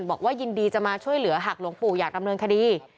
บอกว่ายินดีจะมาช่วยเหลือหากหลวงปู่อยากดำเนินคดี